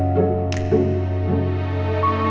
sini kita mulai mencoba